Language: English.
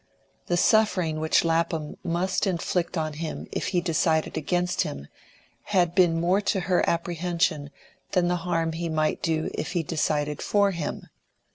The suffering which Lapham must inflict on him if he decided against him had been more to her apprehension than the harm he might do if he decided for him.